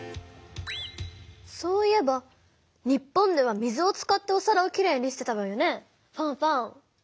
そういえば日本では水を使っておさらをきれいにしてたわよねファンファン。